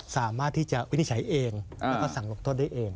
สามารถที่จะวินิจฉัยเองแล้วก็สั่งลงโทษได้เอง